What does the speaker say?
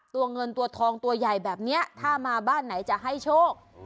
ตัวเงินตัวทองตัวใหญ่แบบนี้ถ้ามาบ้านไหนจะให้โชค